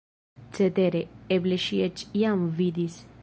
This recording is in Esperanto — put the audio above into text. Cetere, eble ŝi eĉ jam vidis!